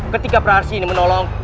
ketika praksi ini menolongku